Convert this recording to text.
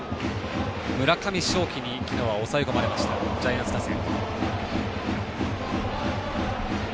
村上頌樹に昨日は押さえ込まれたジャイアンツ打線。